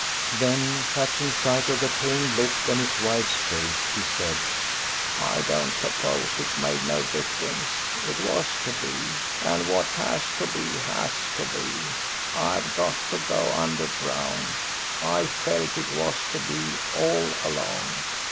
Then, catching sight of the pained look on his wife's face, he said, "I don't suppose it made no difference; it was to be, and what has to be has to be. I've got to go under ground. I felt it was to be all along.